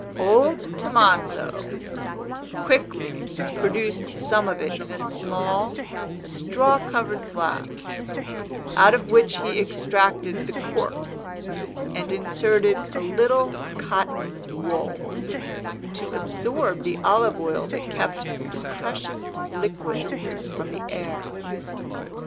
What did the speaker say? Old Tomaso quickly produced some of it in a small, straw covered flask, out of which he extracted the cork, and inserted a little cotton wool, to absorb the olive oil that kept the precious liquid from the air.